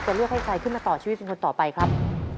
เลือกให้ใครขึ้นมาต่อชีวิตเป็นคนต่อไปครับ